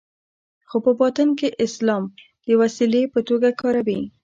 خو په باطن کې اسلام د وسیلې په توګه کاروي.